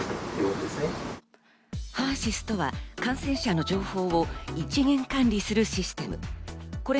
ハーシスとは感染者の情報を一元管理するシステム。